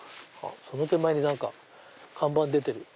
その手前に何か看板出てる。